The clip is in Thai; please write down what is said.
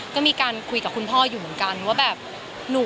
ก็มีการคุยกับคุณพ่ออยู่เหมือนกันว่าแบบ